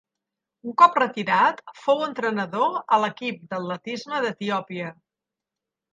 Un cop retirat fou entrenador a l'equip d'atletisme d'Etiòpia.